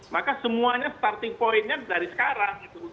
maka semuanya starting point nya dari sekarang